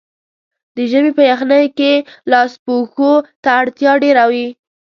د ژمي په یخنۍ کې لاسپوښو ته اړتیا ډېره وي.